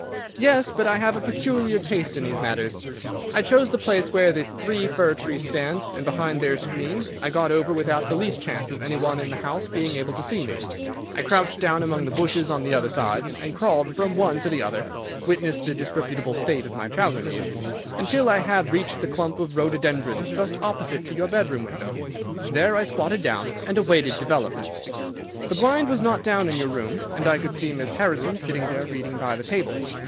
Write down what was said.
"Yes, but I have a peculiar taste in these matters. I chose the place where the three fir trees stand, and behind their screen I got over without the least chance of any one in the house being able to see me. I crouched down among the bushes on the other side, and crawled from one to the other—witness the disreputable state of my trouser knees—until I had reached the clump of rhododendrons just opposite to your bedroom window. There I squatted down and awaited developments. "The blind was not down in your room, and I could see Miss Harrison sitting there reading by the table.